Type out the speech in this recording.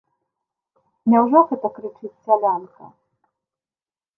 Няўжо гэта крычыць сялянка?